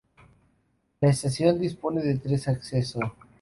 La estación dispone de tres acceso.